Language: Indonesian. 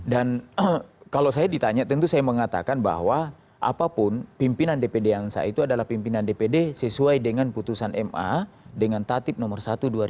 dan kalau saya ditanya tentu saya mengatakan bahwa apapun pimpinan dpd yang saya itu adalah pimpinan dpd sesuai dengan putusan ma dengan tatip nomor satu dua ribu empat belas